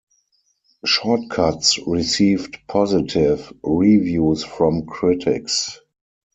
"Short Cuts" received positive reviews from critics.